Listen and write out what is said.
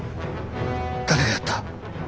誰がやった？